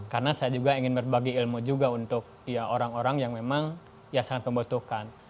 karena saya juga ingin berbagi ilmu juga untuk ya orang orang yang memang ya sangat membutuhkan